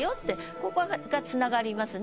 ここがつながりますね